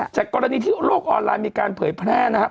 จากกรณีที่โลกออนไลน์มีการเผยแพร่นะครับ